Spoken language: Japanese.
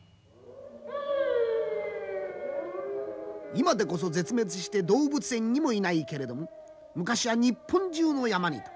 今でこそ絶滅して動物園にもいないけれども昔は日本中の山にいた。